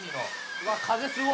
うわっ風すごい！